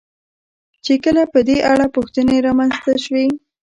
چې کله په دې اړه پوښتنې را منځته شوې.